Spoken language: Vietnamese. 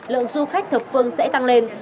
lượng du khách thập phương sẽ tăng lên